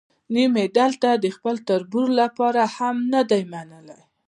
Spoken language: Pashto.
نیم یې دلته د خپل تربور لپاره هم نه دی منلی.